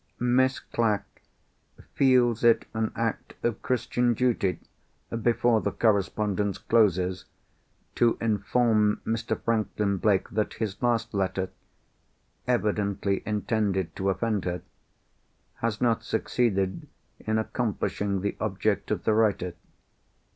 "Miss Clack feels it an act of Christian duty (before the correspondence closes) to inform Mr. Franklin Blake that his last letter—evidently intended to offend her—has not succeeded in accomplishing the object of the writer.